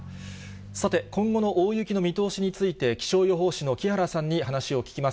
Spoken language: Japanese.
さて、今後の大雪の見通しについて、気象予報士の木原さんに話を聞きます。